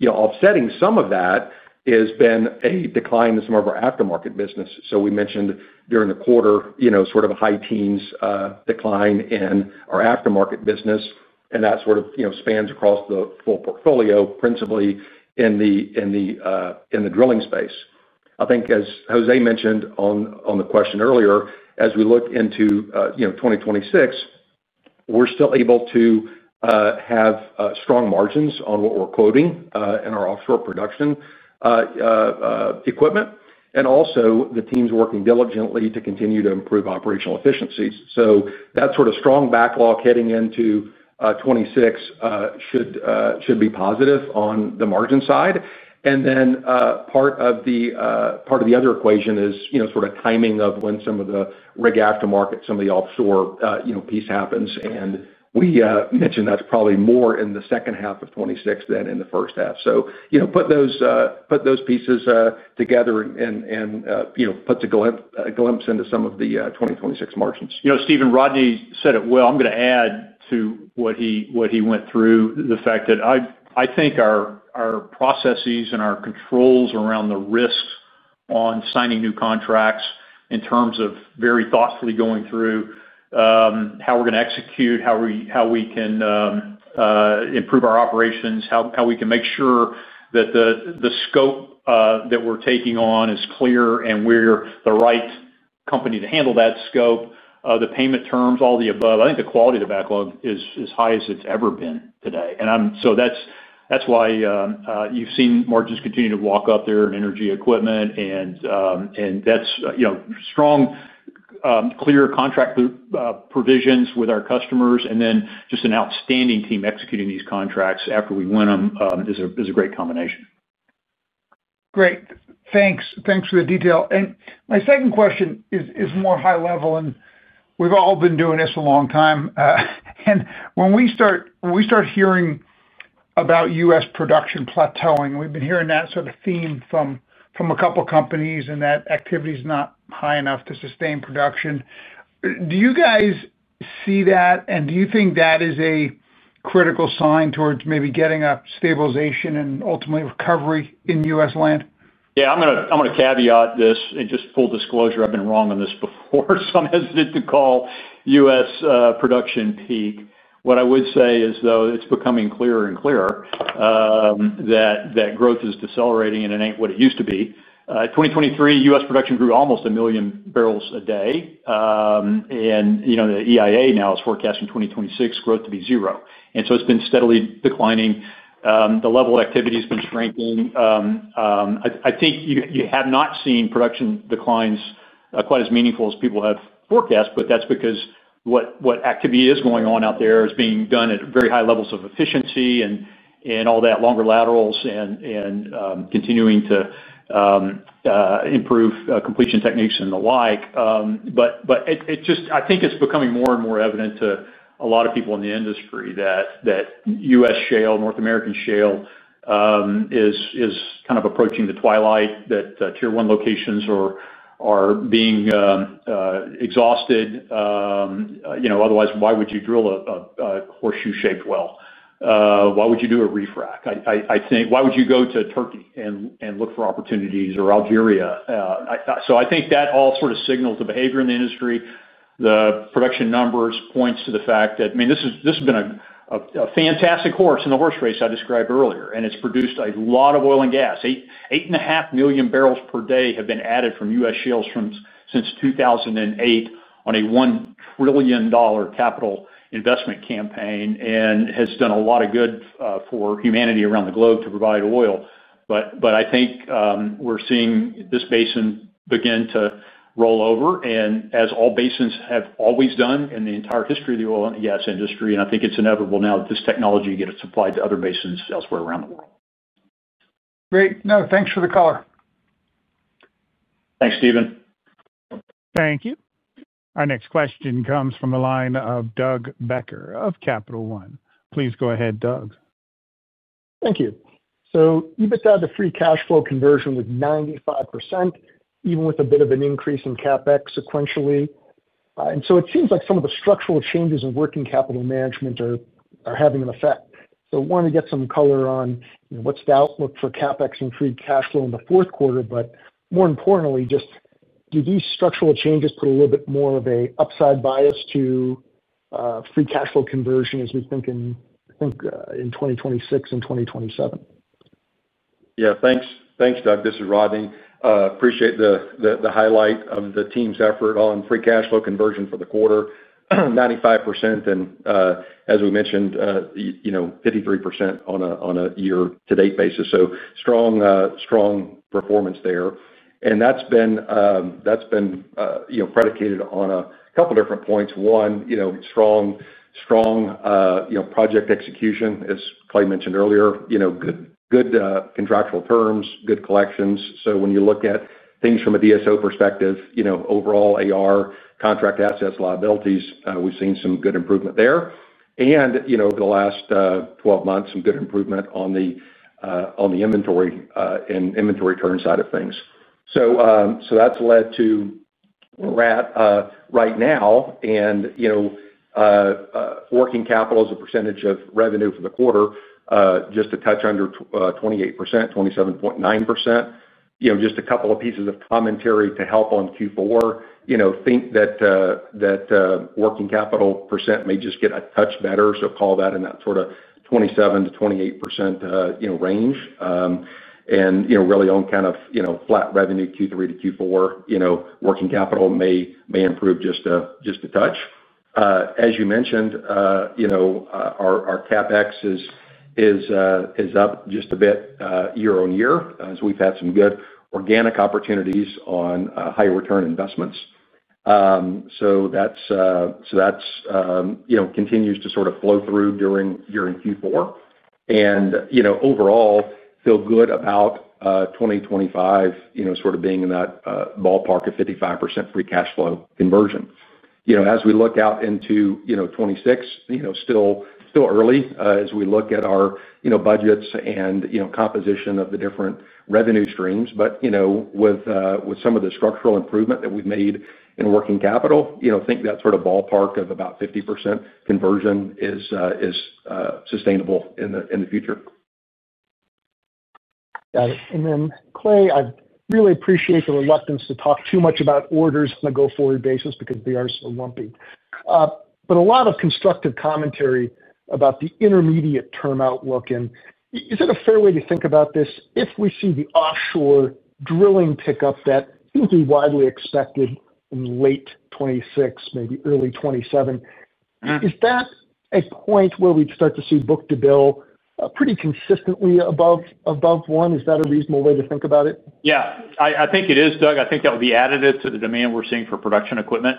Offsetting some of that has been a decline in some of our aftermarket business. We mentioned during the quarter a high teens decline in our aftermarket business, and that spans across the full portfolio, principally in the drilling space. I think, as Jose mentioned on the question earlier, as we look into 2026, we're still able to have strong margins on what we're quoting in our offshore production equipment. Also, the team's working diligently to continue to improve operational efficiencies. That strong backlog heading into 2026 should be positive on the margin side. Part of the other equation is the timing of when some of the rig aftermarket, some of the offshore piece happens. We mentioned that's probably more in the second half of 2026 than in the first half. Put those pieces together, and it puts a glimpse into some of the 2026 margins. Stephen, Rodney said it well. I'm going to add to what he went through, the fact that I think our processes and our controls around the risks on signing new contracts in terms of very thoughtfully going through how we're going to execute, how we can improve our operations, how we can make sure that the scope that we're taking on is clear and we're the right company to handle that scope, the payment terms, all the above. I think the quality of the backlog is as high as it's ever been today. That's why you've seen margins continue to walk up there in energy equipment. That's strong, clear contract provisions with our customers. Just an outstanding team executing these contracts after we win them is a great combination. Great. Thanks for the detail. My second question is more high-level, and we've all been doing this a long time. When we start hearing about U.S. production plateauing, we've been hearing that sort of theme from a couple of companies and that activity is not high enough to sustain production. Do you guys see that, and do you think that is a critical sign towards maybe getting a stabilization and ultimately recovery in U.S. land? Yeah, I'm going to caveat this and just full disclosure, I've been wrong on this before. I'm hesitant to call U.S. production peak. What I would say is, though, it's becoming clearer and clearer that growth is decelerating and it ain't what it used to be. In 2023, U.S. production grew almost a million barrels a day, and you know, the EIA now is forecasting 2026 growth to be zero. It's been steadily declining. The level of activity has been shrinking. I think you have not seen production declines quite as meaningful as people have forecast, but that's because what activity is going on out there is being done at very high levels of efficiency and all that longer laterals and continuing to improve completion techniques and the like. I think it's becoming more and more evident to a lot of people in the industry that U.S. shale, North American shale, is kind of approaching the twilight, that Tier 1 locations are being exhausted. You know, otherwise, why would you drill a horseshoe-shaped well? Why would you do a reef rack? I think why would you go to Turkey and look for opportunities or Algeria? I think that all sort of signals the behavior in the industry. The production numbers point to the fact that this has been a fantastic horse in the horse race I described earlier, and it's produced a lot of oil and gas. 8.5 million barrels per day have been added from U.S. shales since 2008 on a $1 trillion capital investment campaign and has done a lot of good for humanity around the globe to provide oil. I think we're seeing this basin begin to roll over, as all basins have always done in the entire history of the oil and gas industry, and I think it's inevitable now that this technology gets supplied to other basins elsewhere around the world. Great. No, thanks for the color. Thanks, Stephen. Thank you. Our next question comes from the line of Doug Becker of Capital One. Please go ahead, Doug. Thank you. EBITDA to free cash flow conversion was 95%, even with a bit of an increase in CapEx sequentially. It seems like some of the structural changes in working capital management are having an effect. I wanted to get some color on what's the outlook for CapEx and free cash flow in the fourth quarter. More importantly, do these structural changes put a little bit more of an upside bias to free cash flow conversion as we think in 2026 and 2027? Yeah, thanks. Thanks, Doug. This is Rodney. Appreciate the highlight of the team's effort on free cash flow conversion for the quarter, 95%, and as we mentioned, you know, 53% on a year-to-date basis. Strong performance there. That's been predicated on a couple of different points. One, strong project execution, as Clay mentioned earlier, good contractual terms, good collections. When you look at things from a DSO perspective, overall AR, contract assets, liabilities, we've seen some good improvement there. In the last 12 months, some good improvement on the inventory and inventory turn side of things. That's led to where we're at right now. Working capital as a percentage of revenue for the quarter, just a touch under 28%, 27.9%. Just a couple of pieces of commentary to help on Q4. Think that working capital percent may just get a touch better. Call that in that sort of 27%-28% range. Really on kind of flat revenue Q3 to Q4, working capital may improve just a touch. As you mentioned, our CapEx is up just a bit year on year, as we've had some good organic opportunities on higher return investments. That continues to sort of flow through during Q4. Overall, feel good about 2025, sort of being in that ballpark of 55% free cash flow conversion. As we look out into 2026, still early as we look at our budgets and composition of the different revenue streams. With some of the structural improvement that we've made in working capital, think that sort of ballpark of about 50% conversion is sustainable in the future. Got it. Clay, I really appreciate the reluctance to talk too much about orders on a go-forward basis because they are so lumpy. There is a lot of constructive commentary about the intermediate term outlook. Is it a fair way to think about this? If we see the offshore drilling pickup that seems to be widely expected in late 2026, maybe early 2027, is that a point where we'd start to see book to bill pretty consistently above one? Is that a reasonable way to think about it? Yeah, I think it is, Doug. I think that would be additive to the demand we're seeing for production equipment.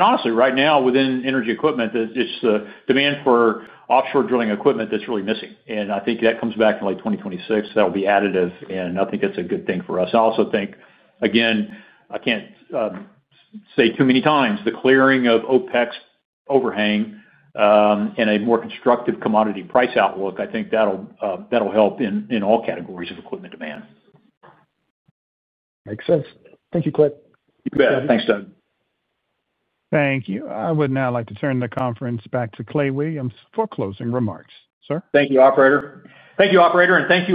Honestly, right now within energy equipment, it's the demand for offshore drilling equipment that's really missing. I think that comes back in late 2026. That will be additive, and I think that's a good thing for us. I also think, again, I can't say too many times, the clearing of OPEC's overhang and a more constructive commodity price outlook, I think that'll help in all categories of equipment demand. Makes sense. Thank you, Clay. You bet. Thanks, Doug. Thank you. I would now like to turn the conference back to Clay Williams for closing remarks, sir. Thank you, operator, and thank you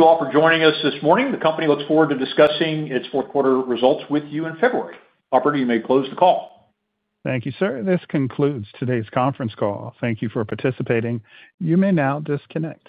all for joining us this morning. The company looks forward to discussing its fourth quarter results with you in February. Operator, you may close the call. Thank you, sir. This concludes today's conference call. Thank you for participating. You may now disconnect.